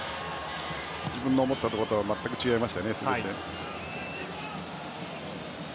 自分の思ったところとは全く違いましたよね。